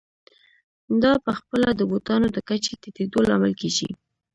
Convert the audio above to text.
دا په خپله د بوټانو د کچې ټیټېدو لامل کېږي